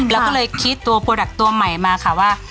แล้วก็เลยคิดตัวผลักตัวใหม่มาค่ะว่า